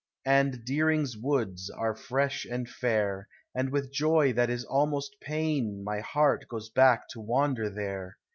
And Deering's Woods are fresh and fair, And with joy that is almost pain My heart goes back to wander there.